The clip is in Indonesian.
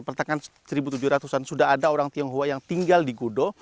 pertengahan seribu tujuh ratus an sudah ada orang tionghoa yang tinggal di gudo